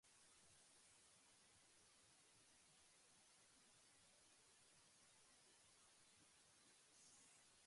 Boisbriand is home to the Blainville-Boisbriand Armada of the Quebec Major Junior Hockey League.